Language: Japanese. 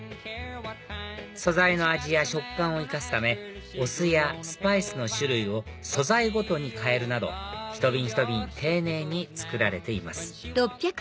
素材の味や食感を生かすためお酢やスパイスの種類を素材ごとに変えるなどひと瓶ひと瓶丁寧に作られています